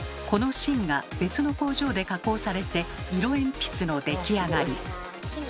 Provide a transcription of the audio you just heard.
この芯が別の工場で加工されて色鉛筆の出来上がり。